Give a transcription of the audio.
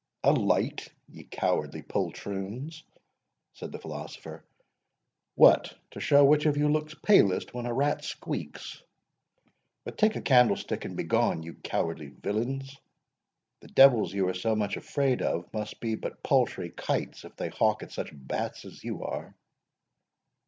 "A light, ye cowardly poltroons?" said the philosopher; "what—to show which of you looks palest when a rat squeaks?—but take a candlestick and begone, you cowardly villains! the devils you are so much afraid of must be but paltry kites, if they hawk at such bats as you are."